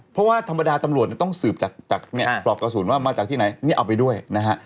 เพราะว่าธรรมดาตำรวจต้องสืบจากปลอกกระสุนว่ามาจากที่ไหนนี่เอาไปด้วยนะฮะ